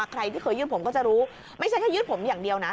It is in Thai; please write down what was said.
ใครที่เคยยืดผมก็จะรู้ไม่ใช่แค่ยืดผมอย่างเดียวนะ